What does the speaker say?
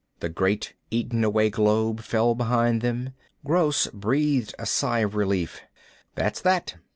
The great eaten away globe fell behind them. Gross breathed a sigh of relief. "That's that."